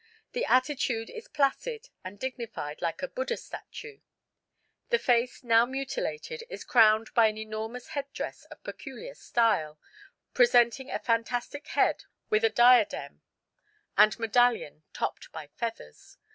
The attitude is placid and dignified like a Buddha statue; the face, now mutilated, is crowned by an enormous headdress of peculiar style, presenting a fantastic head with a diadem and medallion topped by feathers